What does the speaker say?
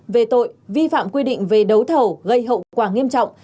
về tội vi phạm quy định về đấu thầu gây hậu quả nghiêm trọng